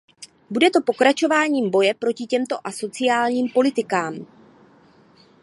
Bude to pokračováním boje proti těmto asociálním politikám.